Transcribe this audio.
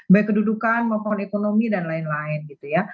baik kedudukan maupun ekonomi dan lain lain gitu ya